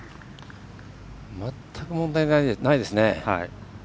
全く問題ないですね。